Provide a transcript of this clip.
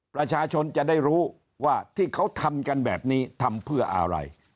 ประชาชนจะได้รู้ว่าที่เขาทำกันแบบนี้ทำเพื่ออะไร